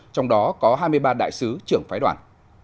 trong đó có hai mươi ba đại sứ trưởng phái đoàn